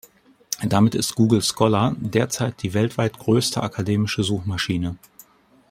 Damit ist Google Scholar derzeit die weltweit größte akademische Suchmaschine.